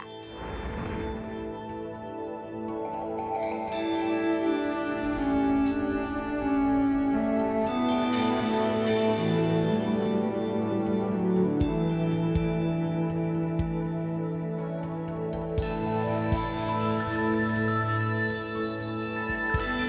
เพื่อได้รับการต่อดูวิธีของอุตส่วนภาค